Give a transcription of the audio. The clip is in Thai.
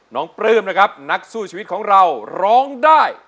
ปลื้มนะครับนักสู้ชีวิตของเราร้องได้